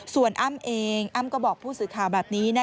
ส่วนอ้ำเองอ้ำก็บอกผู้สื่อข่าวแบบนี้